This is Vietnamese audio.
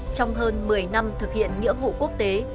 trong hơn một mươi năm thực hiện nghĩa vụ quốc tế